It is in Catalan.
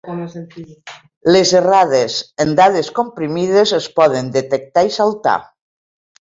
Les errades en dades comprimides es poden detectar i saltar.